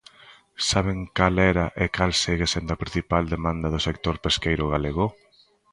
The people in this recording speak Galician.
¿Saben cal era e cal segue sendo a principal demanda do sector pesqueiro galego?